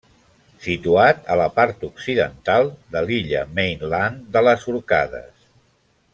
Situat a la part occidental de l'illa Mainland de les Òrcades.